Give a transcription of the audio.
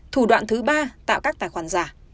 thủ đoạn thứ ba tạo các tài khoản giả